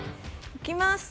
いきます。